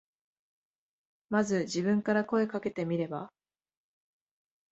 まず自分から声かけてみれば。